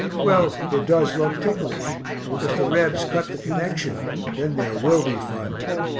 Well, it does look ticklish; if the Rebs cut the connection then there will be fun.